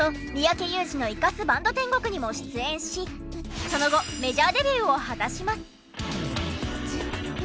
『三宅裕司のいかすバンド天国』にも出演しその後メジャーデビューを果たします。